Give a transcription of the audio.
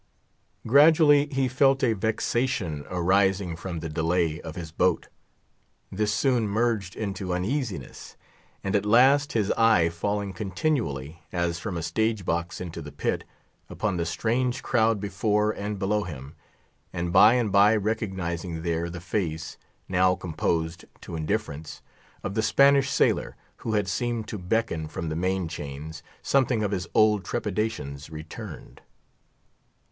Gradually he felt a vexation arising from the delay of his boat; this soon merged into uneasiness; and at last—his eye falling continually, as from a stage box into the pit, upon the strange crowd before and below him, and, by and by, recognizing there the face—now composed to indifference—of the Spanish sailor who had seemed to beckon from the main chains—something of his old trepidations returned.